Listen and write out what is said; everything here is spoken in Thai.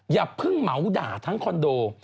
อย่าเพิ่งเหมาด่าทั้งคอนโด